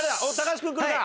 橋君来るか？